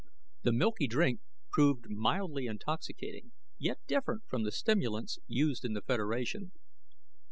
The milky drink proved mildly intoxicating yet different from the stimulants used in the Federation.